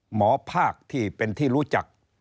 หมอภาคที่เป็นที่รู้จัก